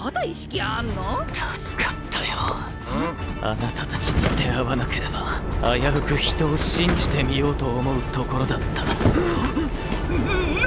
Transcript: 貴方たちに出会わなければ危うく人を信じてみようと思うところだった。は⁉んな何だよこれ！